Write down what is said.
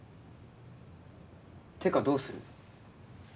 てかどうする？